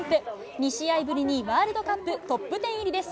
２試合ぶりに、ワールドカップトップ１０入りです。